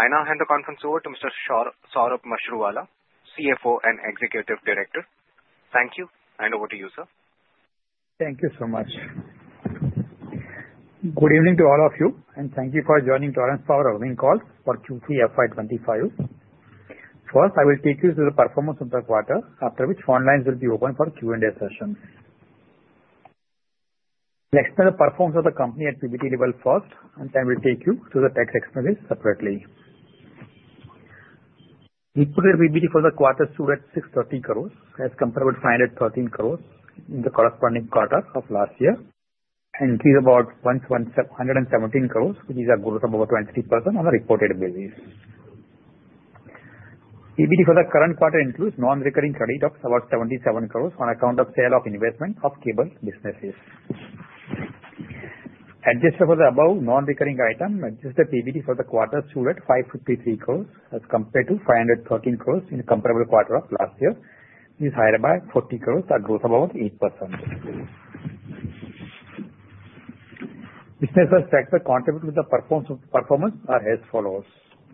I now hand the conference over to Mr. Saurabh Mashruwala, CFO and Executive Director. Thank you, and over to you, sir. Thank you so much. Good evening to all of you, and thank you for joining Torrent Power Earnings Call for Q3 FY25. First, I will take you through the performance of the quarter, after which phone lines will be open for Q&A sessions. Next, I will present the performance for the company at PBT level first, and then we'll take you through the tax expense separately. Reported PBT for the quarter stood at 630 crores as compared with 513 crores in the corresponding quarter of last year, and increased about 117 crores, which is a growth of over 23% on a reported basis. PBT for the current quarter includes non-recurring credit of about 77 crores on account of sale of investment of cable businesses. Adjusted for the above non-recurring item, adjusted PBT for the quarter stood at 553 crores as compared to 513 crores in the comparable quarter of last year, which is higher by 40 crores, a growth of over 8%. Business factors contributed to the performance are as follows.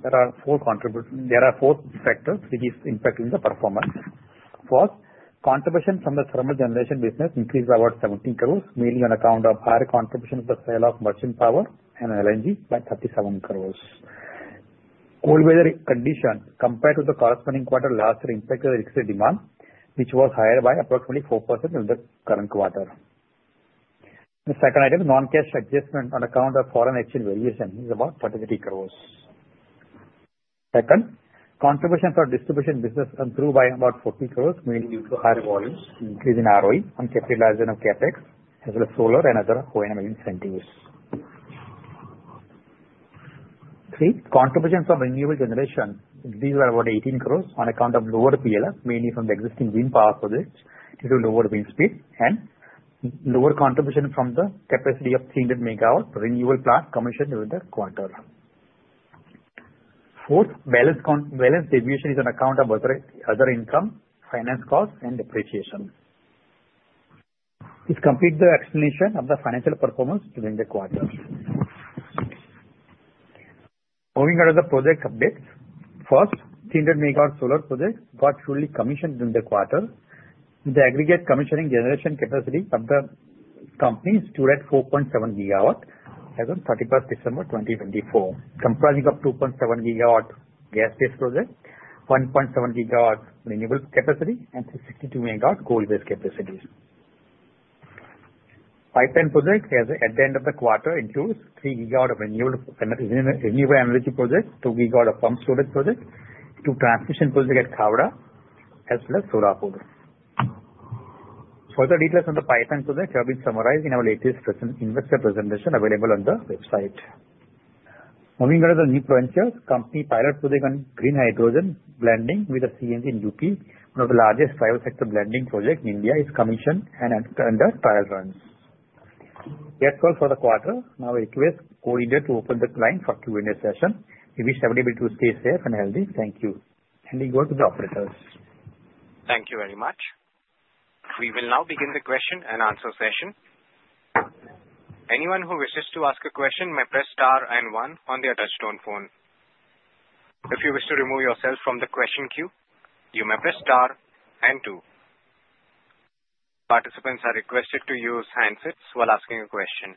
There are four factors which are impacting the performance. First, contribution from the thermal generation business increased by about 17 crores, mainly on account of higher contribution of the sale of merchant power and LNG by 37 crores. Cold weather condition compared to the corresponding quarter last year impacted the excess demand, which was higher by approximately 4% in the current quarter. The second item, non-cash adjustment on account of foreign exchange variation, is about 43 crores. Second, contribution for distribution business improved by about 40 crores, mainly due to higher volumes, increase in ROE on capitalization of CapEx, as well as solar and other O&M incentives. Three, contribution from renewable generation, increased by about 18 crores on account of lower PLF, mainly from the existing wind power projects due to lower wind speed, and lower contribution from the capacity of 300 megawatt renewable plant commissioned during the quarter. Fourth, balance deviation is on account of other income, finance costs, and depreciation. This completes the explanation of the financial performance during the quarter. Moving on to the project updates. First, 300 megawatt solar project got fully commissioned during the quarter. The aggregate commissioned generation capacity of the company stood at 4.7 gigawatt as of 31st December 2024, comprising of 2.7 gigawatt gas-based project, 1.7 gigawatt renewable capacity, and 62 megawatt coal-based capacity. Pipeline project at the end of the quarter includes three gigawatts of renewable energy projects, two gigawatts of pumped storage projects, two transmission projects at Kwara, as well as solar power. Further details on the pipeline project have been summarized in our latest investor presentation available on the website. Moving on to the new ventures, company's pilot project on green hydrogen blending with CNG in UP, one of the largest private sector blending projects in India, is commissioned and under trial runs. That's all for the quarter. Now I request the operator to open the line for Q&A session. Please stay safe and healthy. Thank you. And we go to the operator. Thank you very much. We will now begin the question and answer session. Anyone who wishes to ask a question may press star and one on the touch-tone phone. If you wish to remove yourself from the question queue, you may press star and two. Participants are requested to use handsets while asking a question.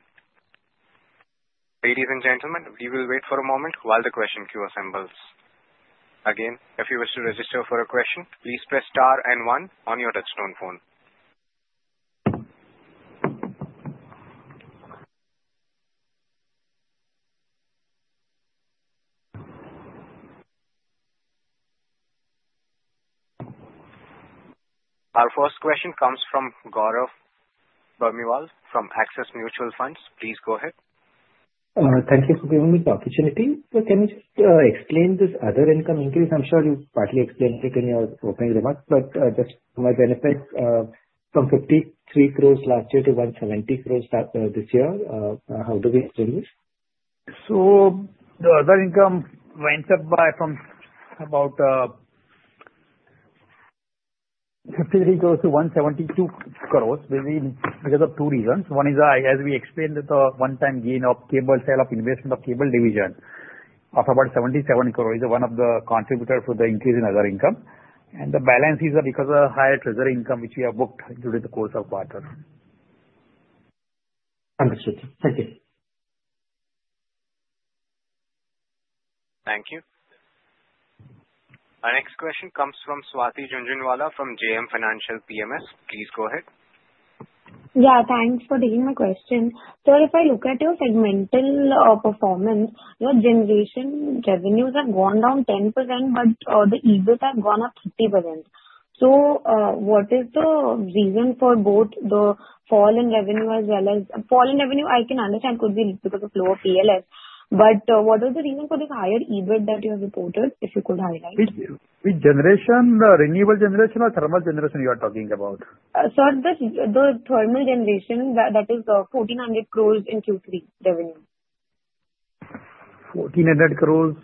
Ladies and gentlemen, we will wait for a moment while the question queue assembles. Again, if you wish to register for a question, please press star and one on the touch-tone phone. Our first question comes from Gaurav Birmiwal from Axis Mutual Fund. Please go ahead. Thank you for giving me the opportunity. Can you just explain this other income increase? I'm sure you partly explained it in your opening remarks, but just my benefits from 53 crores last year to 170 crores this year. How do we explain this? The other income went up from about 53 crores to 172 crores mainly because of two reasons. One is, as we explained, the one-time gain of cable sale of investment of cable division of about 77 crores is one of the contributors for the increase in other income. The balance is because of higher treasury income which we have booked during the course of the quarter. Understood. Thank you. Thank you. Our next question comes from Swathi Jhunjhunwala from JM Financial PMS. Please go ahead. Yeah, thanks for taking my question. Sir, if I look at your segmental performance, your generation revenues have gone down 10%, but the EBIT has gone up 50%. So what is the reason for both the fall in revenue as well as fall in revenue? I can understand it could be because of lower PLF, but what was the reason for this higher EBIT that you have reported, if you could highlight? With generation, renewable generation or thermal generation you are talking about? Sir, the thermal generation, that is 1,400 crores in Q3 revenue. 1,400 crores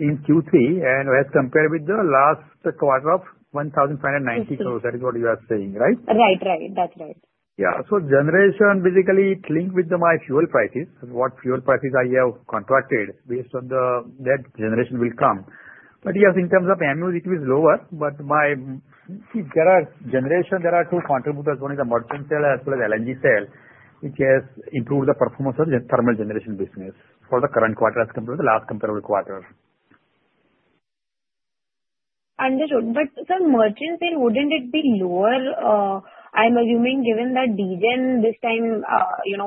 in Q3, and as compared with the last quarter of 1,590 crores, that is what you are saying, right? Right, right. That's right. Yeah. So generation basically linked with my fuel prices, what fuel prices I have contracted based on that generation will come. But yes, in terms of MUs, it was lower, but my generation, there are two contributors, one is the merchant sale as well as LNG sale, which has improved the performance of the thermal generation business for the current quarter as compared with the last comparable quarter. Understood. But sir, merchant sale, wouldn't it be lower? I'm assuming given that DGEN this time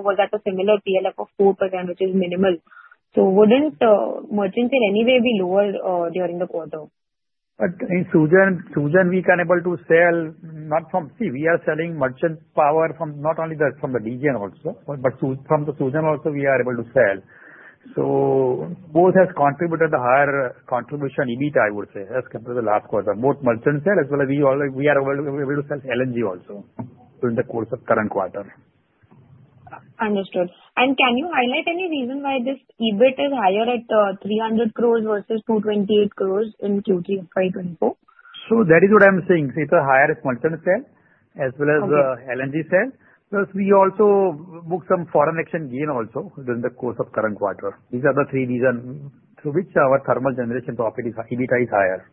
was at a similar PLF of 4%, which is minimal. So wouldn't merchant sale anyway be lower during the quarter? But in SUGEN, we were able to sell not from SECI. We are selling merchant power from not only the DGEN also, but from the SUGEN also we are able to sell. So both have contributed the higher contribution EBIT, I would say, as compared to the last quarter. Both merchant sale as well as we are able to sell LNG also during the course of current quarter. Understood. And can you highlight any reason why this EBIT is higher at 300 crores versus 228 crores in Q3 FY24? So that is what I'm saying. It's a higher merchant sale as well as LNG sale. Plus, we also booked some foreign exchange gain also during the course of current quarter. These are the three reasons through which our thermal generation profit is EBIT is higher.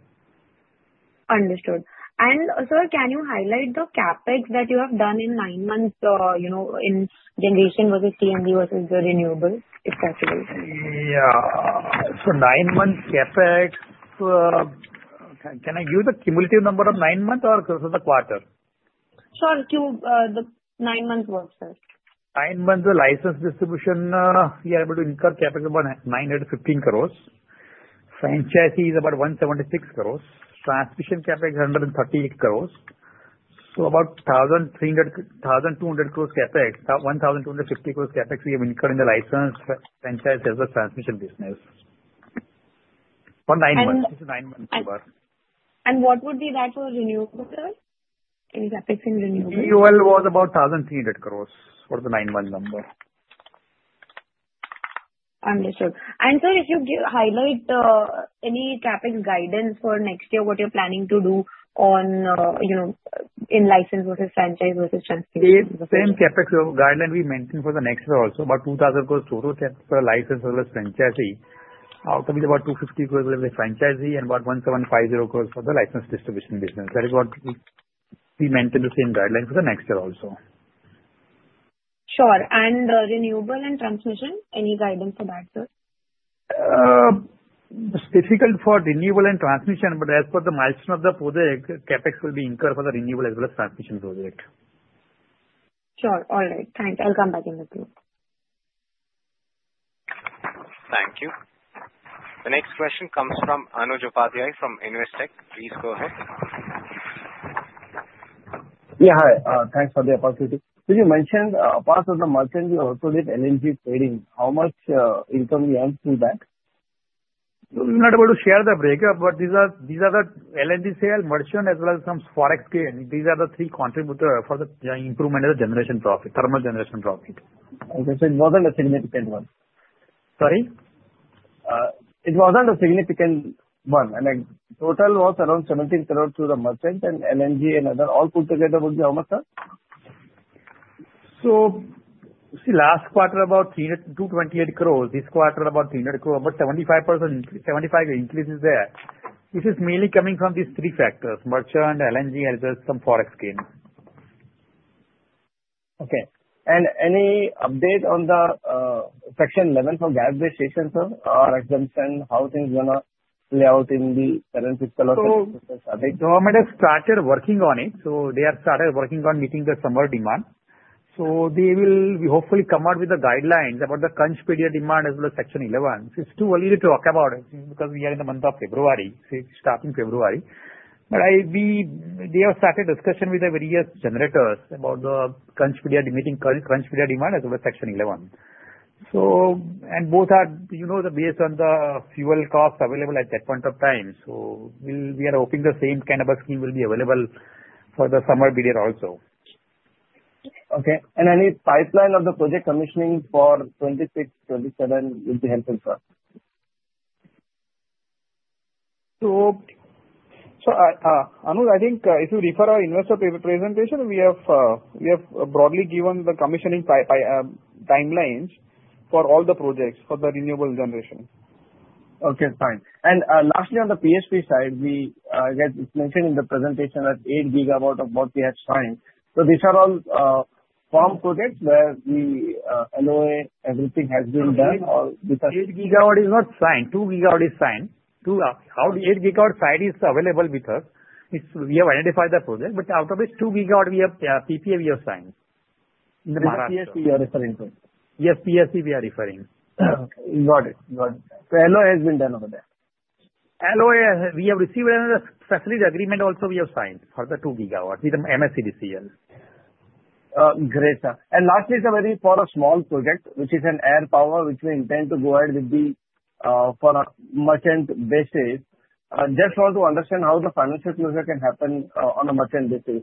Understood. And sir, can you highlight the CapEx that you have done in nine months in generation versus T&D versus the renewables, if possible? Yeah, so nine months CapEx, can I use the cumulative number of nine months or the quarter? Sure. Nine months works, sir. Nine months license distribution, we are able to incur CapEx about 915 crores. Franchisee is about 176 crores. Transmission CapEx is 138 crores. About 1,200 crores CapEx, 1,250 crores CapEx we have incurred in the license, franchise, as well as transmission business. For nine months. Okay. Nine months over. What would be that for renewables? Any CapEx in renewables? Renewable was about 1,300 crores for the nine-month number. Understood. And sir, if you highlight any CapEx guidance for next year, what you're planning to do in license versus franchise versus transmission business? Same CapEx guideline we maintain for the next year also, about 2,000 crores total for license as well as franchisee. Out of it, about 250 crores will be franchisee and about 1,750 crores for the license distribution business. That is what we maintain the same guideline for the next year also. Sure. And renewable and transmission, any guidance for that, sir? It's difficult for renewable and transmission, but as per the milestone of the project, CapEx will be incurred for the renewable as well as transmission project. Sure. All right. Thanks. I'll come back in a few. Thank you. The next question comes from Anuj Upadhyay from Investec. Please go ahead. Yeah. Hi. Thanks for the opportunity. Could you mention, apart from the merchant, we also did LNG trading? How much income we earned through that? I'm not able to share the breakup, but these are the LNG sale, merchant, as well as some forex gain. These are the three contributors for the improvement of the generation profit, thermal generation profit. Okay. So it wasn't a significant one. Sorry? It wasn't a significant one, and total was around 17 crores to the merchant and LNG and other all put together would be how much, sir? So see, last quarter about 228 crores, this quarter about 300 crores, about 75% increase, 75 increase is there. This is mainly coming from these three factors, merchant and LNG, as well as some forex gain. Okay, and any update on the Section 11 for gas-based stations, sir? Or exemption, how things are going to play out in the current fiscal? The government has started working on it. They have started working on meeting the summer demand. They will hopefully come out with the guidelines about the crunch period demand as well as Section 11. It's too early to talk about it because we are in the month of February, starting February. They have started discussion with the various generators about the crunch period demand as well as Section 11. Both are based on the fuel costs available at that point of time. We are hoping the same kind of a scheme will be available for the summer period also. Okay. Any pipeline of the project commissioning for 2026, 2027 would be helpful for us. So Anuj, I think if you refer to our investor presentation, we have broadly given the commissioning timelines for all the projects for the renewable generation. Okay. Fine. And lastly, on the PSP side, we had mentioned in the presentation that eight gigawatt of what we have signed. So these are all pump projects where we allow everything has been done. 8 gigawatt is not signed. 2 gigawatt is signed. 8 gigawatt site is available with us. We have identified the project. But out of it, 2 gigawatt PPA we have signed in the market. PSP you are referring to? Yes, PSP we are referring. Got it. Got it. LoA has been done over there? LoA, we have received another facility agreement. Also we have signed for the 2 gigawatt with MSEDCL. Great, sir. And lastly, for a small project, which is an RE power, which we intend to go ahead with for a merchant basis, just want to understand how the financial closure can happen on a merchant basis.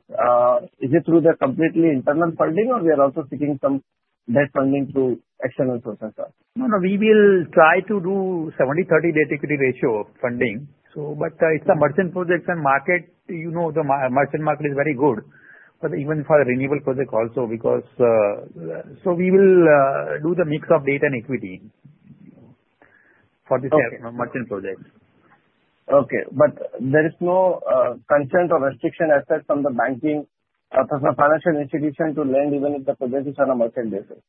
Is it through the completely internal funding or we are also seeking some debt funding through external sources? No, no. We will try to do 70-30 debt equity ratio funding. But it's a merchant project and market, the merchant market is very good. But even for the renewable project also, because so we will do the mix of debt and equity for this merchant project. Okay. But there is no consent or restriction as such from the banking financial institution to lend even if the project is on a merchant basis?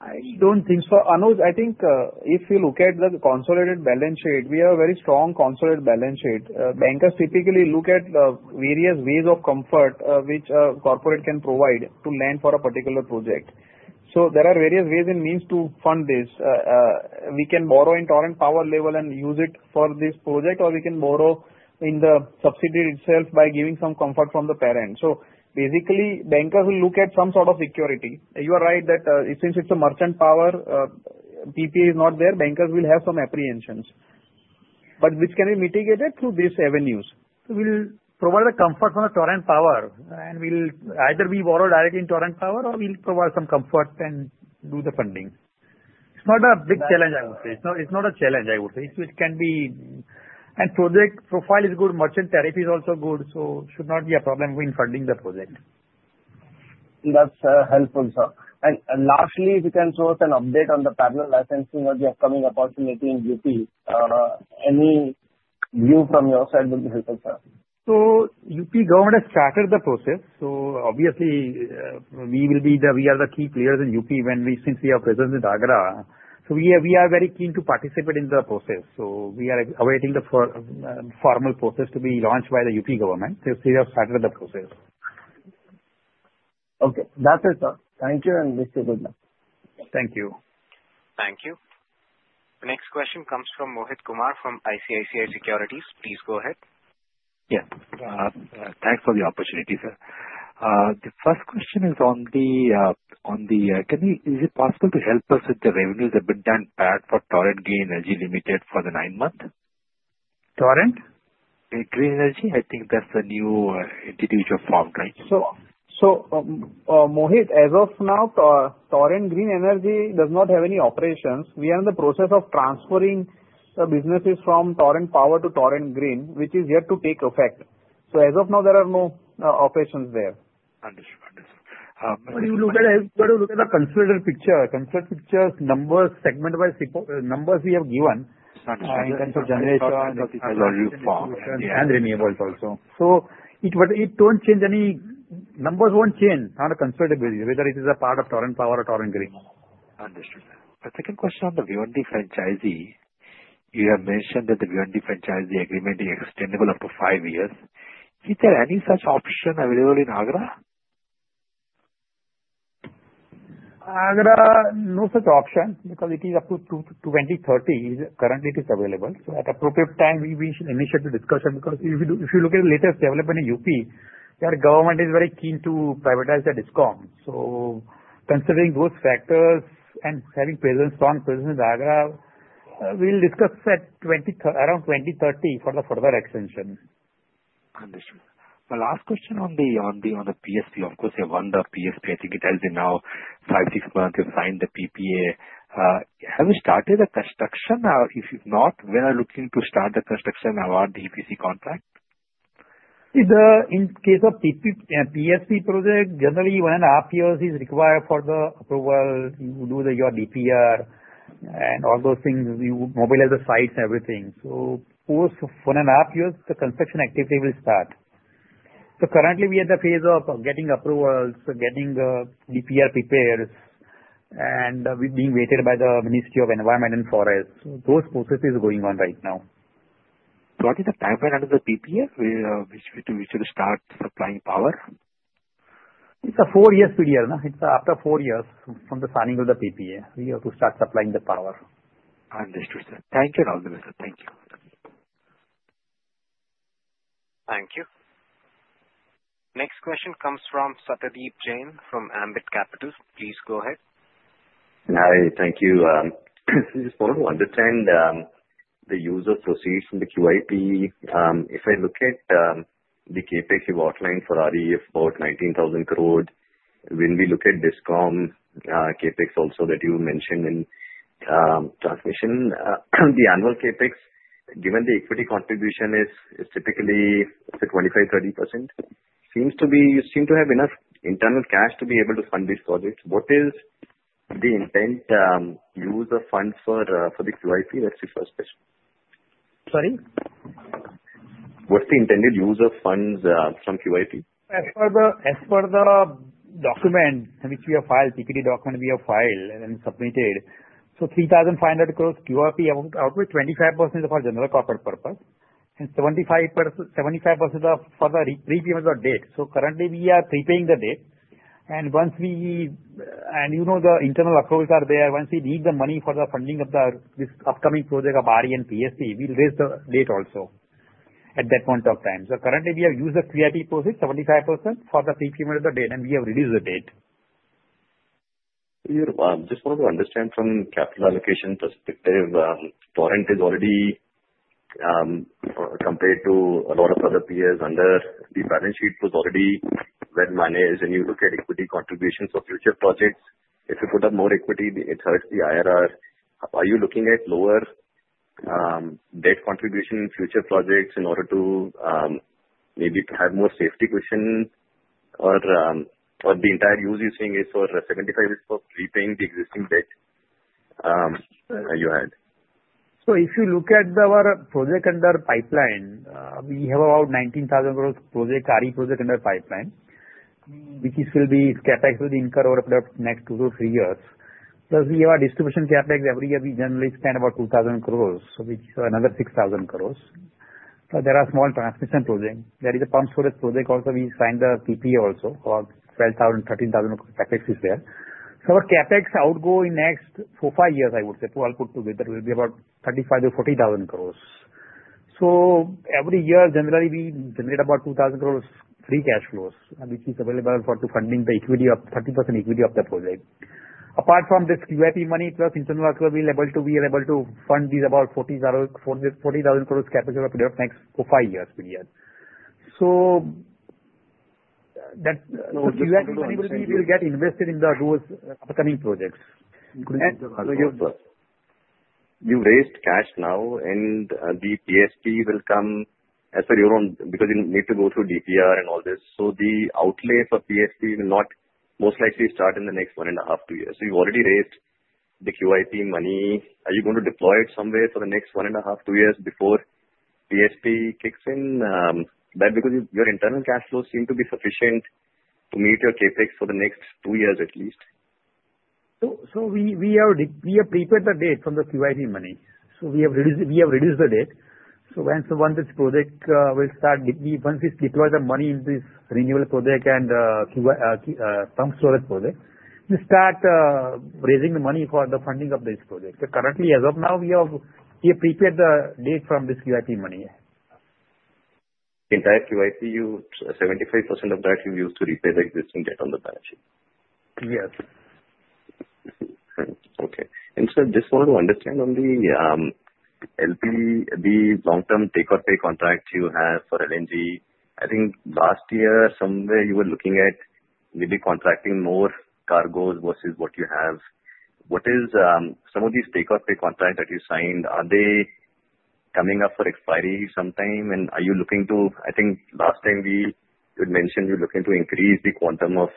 I don't think so. Anuj, I think if you look at the consolidated balance sheet, we have a very strong consolidated balance sheet. Bankers typically look at various ways of comfort which a corporate can provide to lend for a particular project. So there are various ways and means to fund this. We can borrow in Torrent Power level and use it for this project, or we can borrow in the subsidiary itself by giving some comfort from the parent. So basically, bankers will look at some sort of security. You are right that since it's a merchant power, PPA is not there, bankers will have some apprehensions. But which can be mitigated through these avenues. We'll provide the comfort from Torrent Power, and either we borrow directly in Torrent Power or we'll provide some comfort and do the funding. It's not a big challenge, I would say. It's not a challenge, I would say. It can be, and project profile is good. Merchant tariff is also good, so it should not be a problem in funding the project. That's helpful, sir. And lastly, if you can show us an update on the parallel licensing or the upcoming opportunity in UP, any view from your side would be helpful, sir. So UP government has started the process. So obviously, we are the key players in UP since we are present in Agra. So we are very keen to participate in the process. So we are awaiting the formal process to be launched by the UP government. So we have started the process. Okay. That's it, sir. Thank you and wish you good luck. Thank you. Thank you. The next question comes from Mohit Kumar from ICICI Securities. Please go ahead. Yes. Thanks for the opportunity, sir. The first question is: is it possible to help us with the revenues that have been booked for Torrent Green Energy Limited for the nine months? Torrent? Green Energy? I think that's a new entity which you have formed, right? So Mohit, as of now, Torrent Green Energy does not have any operations. We are in the process of transferring the businesses from Torrent Power to Torrent Green, which is yet to take effect. So as of now, there are no operations there. Understood. Understood. But if you look at the consolidated picture, consolidated picture numbers, segment-wise numbers we have given. Understood. In terms of generation and renewables also. So it won't change any numbers on the consolidated basis, whether it is a part of Torrent Power or Torrent Green. Understood. The second question on the bhiwandi franchisee, you have mentioned that the V&D franchisee agreement is extendable up to five years. Is there any such option available in Agra? Agra, no such option because it is up to 2030. Currently, it is available. So at appropriate time, we will initiate the discussion because if you look at the latest development in UP, the government is very keen to privatize the discom. So considering those factors and having strong presence in Agra, we'll discuss around 2030 for the further extension. Understood. My last question on the PSP. Of course, you have won the PSP. I think it has been now five, six months. You've signed the PPA. Have you started the construction? If not, when are you looking to start the construction of the EPC contract? In case of PSP project, generally one and a half years is required for the approval. You do your DPR and all those things. You mobilize the sites and everything. So for one and a half years, the construction activity will start. So currently, we are in the phase of getting approvals, getting DPR prepared, and being vetted by the Ministry of Environment and Forest. So those processes are going on right now. What is the timeframe under the PPA to start supplying power? It's a four-year period. It's after four years from the signing of the PPA. We have to start supplying the power. Understood, sir. Thank you, Thank you. Thank you. Next question comes from Satyadeep Jain from Ambit Capital. Please go ahead. Hi. Thank you. Just want to understand the use of proceeds from the QIP. If I look at the CapEx you've outlined for REF about 19,000 crores, when we look at distribution CapEx also that you mentioned in transmission, the annual CapEx, given the equity contribution, is typically 25%-30%. Seems to have enough internal cash to be able to fund this project. What is the intended use of funds for the QIP? That's the first question. Sorry? What's the intended use of funds from QIP? As per the document, which we have filed, QIP document we have filed and submitted. So 3,500 crores QIP out with 25% for general corporate purpose and 75% for the prepayment of debt. Currently, we are prepaying the debt. And once we, and you know the internal approvals are there, once we need the money for the funding of this upcoming project of RE and PSP, we will raise the debt also at that point of time. Currently, we have used the QIP proceeds, 75% for the prepayment of the debt, and we have reduced the debt. Just want to understand from capital allocation perspective, Torrent is already compared to a lot of other peers under the balance sheet was already well managed. And you look at equity contributions for future projects. If you put up more equity, it hurts the IRR. Are you looking at lower debt contribution in future projects in order to maybe have more safety cushion? Or the entire use you're saying is for 75% for repaying the existing debt you had? So if you look at our project under pipeline, we have about 19,000 crores project, RE project under pipeline, which will be CapEx will incur over the next two-three years. Plus, we have a distribution CapEx every year. We generally spend about 2,000 crores, which is another 6,000 crores. But there are small transmission projects. There is a pumped storage project also. We signed the PPA also, about 12,000-13,000 CapEx is there. So our CapEx outgoing next four-five years, I would say, all put together, will be about 35,000-40,000 crores. So every year, generally, we generate about 2,000 crores free cash flows, which is available for funding the equity of 30% equity of the project. Apart from this QIP money, plus internal outgoing, we are able to fund these about 40,000 crores CapEx over the next four to five years period. The QIP money will get invested in those upcoming projects. You raised cash now, and the PSP will come (sorry, you're wrong) because you need to go through DPR and all this. So the outlay for PSP will not most likely start in the next one and a half, two years. So you've already raised the QIP money. Are you going to deploy it somewhere for the next one and a half, two years before PSP kicks in? Because your internal cash flows seem to be sufficient to meet your CapEx for the next two years at least. So we have prepaid the debt from the QIP money. So we have reduced the debt. So once this project will start, once we deploy the money into this renewable project and pumped storage project, we start raising the money for the funding of this project. Currently, as of now, we have prepaid the debt from this QIP money. The entire QIP, 75% of that you use to repay the existing debt on the balance sheet? Yes. Okay. And, sir, just want to understand on the long-term take-or-pay contract you have for LNG. I think last year, somewhere, you were looking at maybe contracting more cargoes versus what you have. What is some of these take-or-pay contracts that you signed? Are they coming up for expiry sometime? And are you looking to, I think last time you had mentioned you're looking to increase the quantum of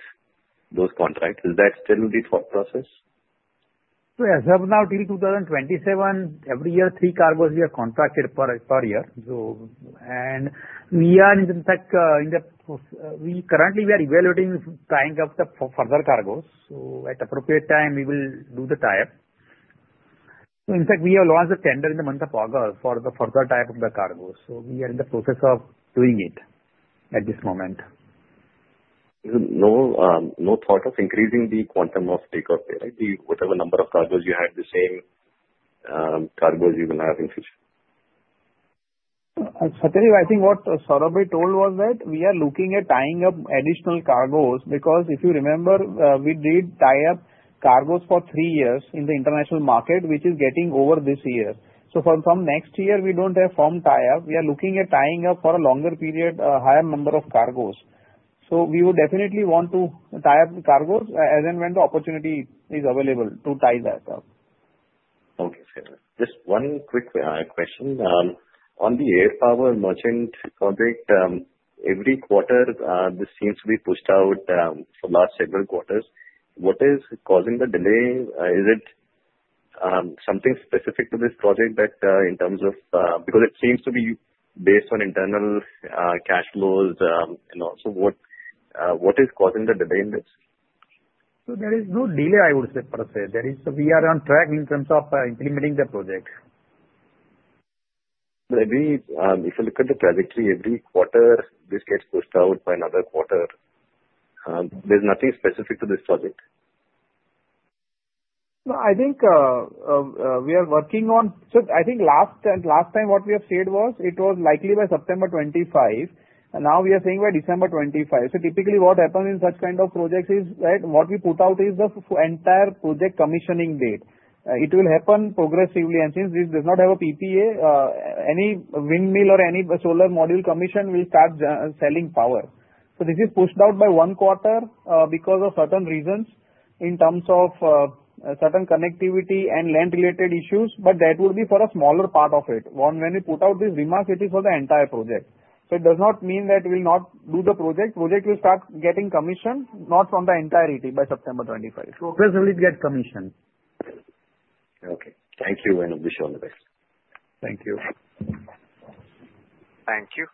those contracts. Is that still the thought process? Yes. From now till 2027, every year, three cargoes we have contracted per year. And we currently are evaluating tying up the further cargoes. At appropriate time, we will do the tie-up. In fact, we have launched the tender in the month of August for the further tie-up of the cargoes. We are in the process of doing it at this moment. No thought of increasing the quantum of take-or-pay, right? Whatever number of cargoes you have, the same cargoes you will have in future? Satyadeep, I think what Saurabh told was that we are looking at tying up additional cargoes because if you remember, we did tie up cargoes for three years in the international market, which is getting over this year. So from next year, we don't have firm tie-up. We are looking at tying up for a longer period, a higher number of cargoes. So we would definitely want to tie up the cargoes as and when the opportunity is available to tie that up. Okay. Just one quick question. On the hydro power merchant project, every quarter, this seems to be pushed out for the last several quarters. What is causing the delay? Is it something specific to this project that in terms of, because it seems to be based on internal cash flows and also what is causing the delay in this? There is no delay, I would say. We are on track in terms of implementing the project. If you look at the trajectory, every quarter, this gets pushed out by another quarter. There's nothing specific to this project? I think we are working on, so I think last time, what we have said was it was likely by September 25. Now we are saying by December 25, so typically, what happens in such kind of projects is that what we put out is the entire project commissioning date. It will happen progressively, and since this does not have a PPA, any windmill or any solar module commission will start selling power, so this is pushed out by one quarter because of certain reasons in terms of certain connectivity and land-related issues, but that would be for a smaller part of it. When we put out this remark, it is for the entire project, so it does not mean that we will not do the project. The project will start getting commissioned not from the entirety by September 25. Progressively, it gets commissioned. Okay. Thank you. And I wish you all the best. Thank you. Thank you.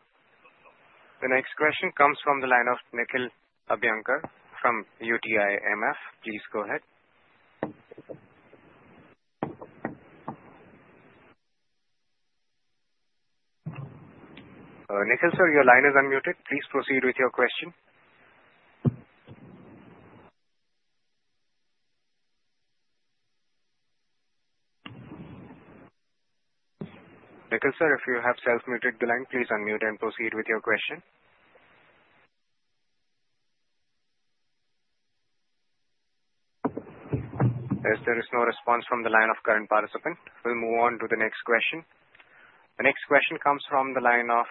The next question comes from the line of Nikhil Abhyankar from UTIMF. Please go ahead. Nikhil, sir, your line is unmuted. Please proceed with your question. Nikhil sir, if you have self-muted the line, please unmute and proceed with your question. As there is no response from the line of current participant, we'll move on to the next question. The next question comes from the line of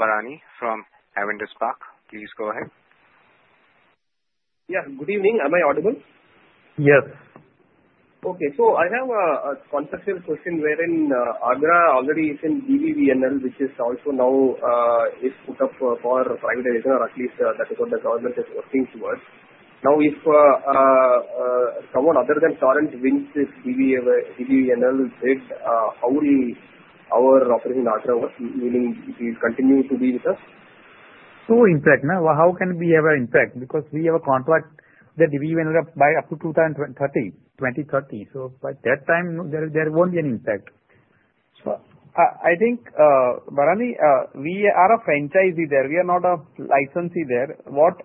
Barani from Avendus Spark. Please go ahead. Yes. Good evening. Am I audible? Yes. Okay. So I have a conceptual question wherein Agra already is in DVVNL, which is also now put up for privatization or at least that is what the government is working towards. Now, if someone other than Torrent wins this DVVNL bid, how will our operation in Agra work? Meaning, will it continue to be with us? So, impact? How can we have an impact? Because we have a contract that we will end up by up to 2030. So by that time, there won't be an impact. So I think, Barani, we are a franchisee there. We are not a licensee there. What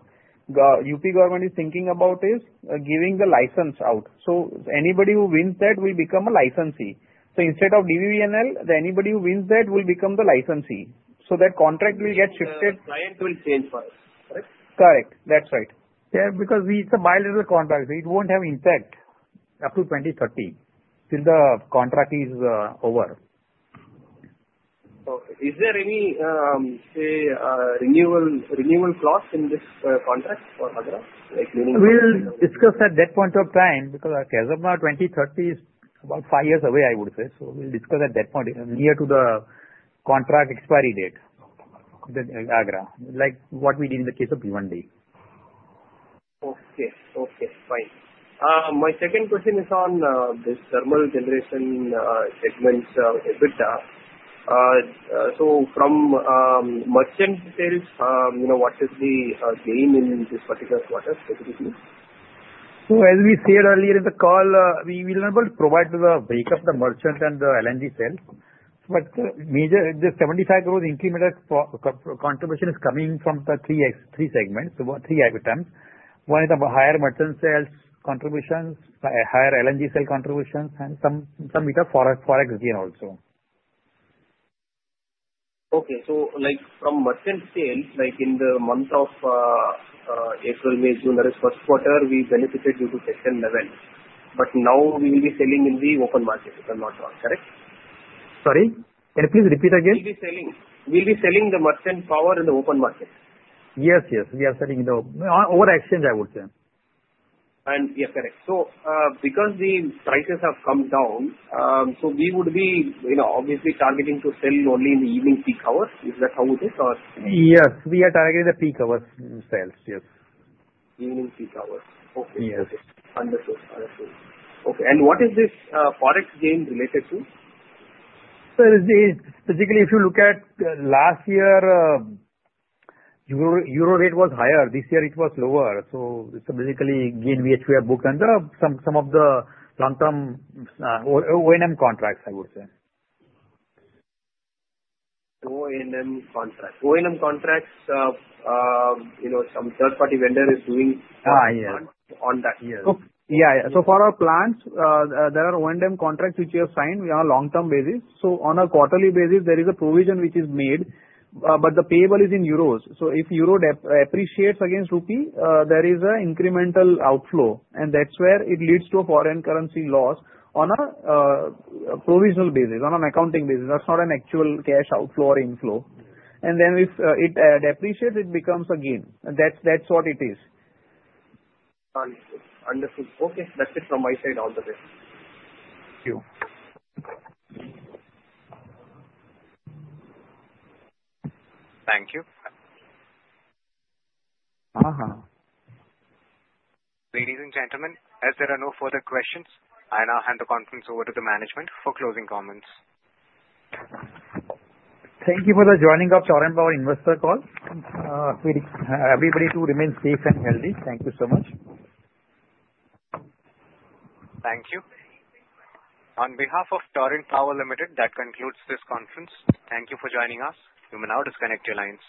the UP government is thinking about is giving the license out. So anybody who wins that will become a licensee. So instead of DVVNL, anybody who wins that will become the licensee. So that contract will get shifted. So the client will change for us, correct? Correct. That's right. Yeah. Because it's a bilateral contract. It won't have impact up to 2030 till the contract is over. So is there any, say, renewal clause in this contract for Agra? We'll discuss at that point of time because Kezabna 2030 is about five years away, I would say. So we'll discuss at that point near to the contract expiry date in Agra, like what we did in the case of Bhiwandi. Okay. Fine. My second question is on this thermal generation segment, EBITDA. So from merchant sales, what is the gain in this particular quarter, specifically? As we said earlier in the call, we will not be able to provide the breakup of the merchant and the LNG sales. The 75 crores incremental contribution is coming from the three segments, three EBITDAs. One is the higher merchant sales contributions, higher LNG sale contributions, and some EBITDA for exchange also. Okay, so from merchant sales, in the month of April, May, June, that is first quarter, we benefited due to Section 11, but now we will be selling in the open market. If I'm not wrong, correct? Sorry? Can you please repeat again? We'll be selling the merchant power in the open market. Yes, yes. We are selling in the power exchange, I would say. Yes, correct. So because the prices have come down, so we would be obviously targeting to sell only in the evening peak hours. Is that how it is, or? Yes. We are targeting the peak hours sales, yes. Evening peak hours. Okay. Yes. Understood. Understood. Okay, and what is this Forex gain related to? So specifically, if you look at last year, Euro rate was higher. This year, it was lower. So it's basically gain which we have booked under some of the long-term O&M contracts, I would say. O&M contracts, some third-party vendor is doing on that. Yeah. So for our plants, there are O&M contracts which we have signed on a long-term basis. So on a quarterly basis, there is a provision which is made, but the payable is in euros. So if euro depreciates against rupee, there is an incremental outflow. And that's where it leads to a foreign currency loss on a provisional basis, on an accounting basis. That's not an actual cash outflow or inflow. And then if it depreciates, it becomes a gain. That's what it is. Understood. Understood. Okay. That's it from my side all the way. Thank you. Thank you. Uh-huh. Ladies and gentlemen, as there are no further questions, I now hand the conference over to the management for closing comments. Thank you for the joining of Torrent Power investor call. Everybody to remain safe and healthy. Thank you so much. Thank you. On behalf of Torrent Power Limited, that concludes this conference. Thank you for joining us. You may now disconnect your lines.